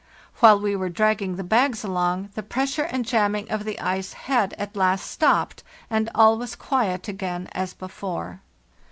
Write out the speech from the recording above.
"While we were dragging the bags along, the press ure and jamming of the ice had at last stopped, and all was quiet again as before.